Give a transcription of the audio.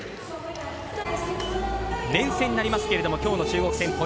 連戦になりますが今日の中国戦